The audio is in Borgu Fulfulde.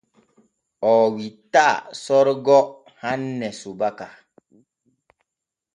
Oo witta Sorgo hanne subaka.